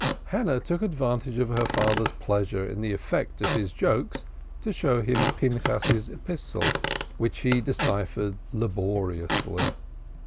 Hannah took advantage of her father's pleasure in the effect of his jokes to show him Pinchas's epistle, which he deciphered laboriously.